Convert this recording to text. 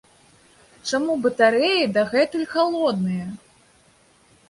Чаму батарэі дагэтуль халодныя?